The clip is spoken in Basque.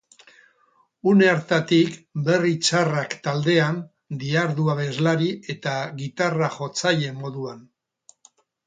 Une hartatik Berri Txarrak taldean dihardu abeslari eta gitarra-jotzaile moduan.